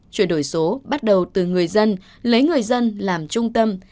chuyển đổi số bắt đầu từ người dân lấy người dân làm trung tâm